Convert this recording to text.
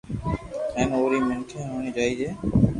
ھين اوري مڪي ھوئي جائي ھي